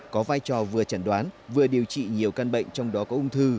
có vai trò vừa chẩn đoán vừa điều trị nhiều căn bệnh trong đó có ung thư